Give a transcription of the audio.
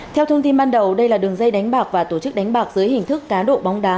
theo thông tin ban đầu đây là đường dây đánh bạc và tổ chức đánh bạc dưới hình thức cá độ bóng đá